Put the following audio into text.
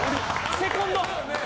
セコンド！